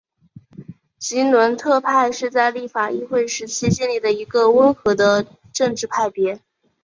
吉伦特派是在立法议会时期建立的一个温和的政治派别。